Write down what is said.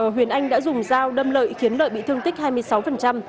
huyền anh đã dùng dao đâm lợi khiến lợi bị thương tích hai mươi sáu